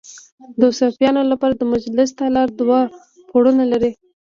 د صوفیانو لپاره د مجلس تالار دوه پوړونه لري.